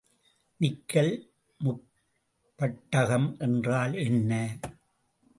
Nickel முப்பட்டகம் என்றால் என்ன?